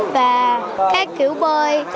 và các kiểu bơi